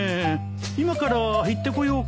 今から行ってこようか。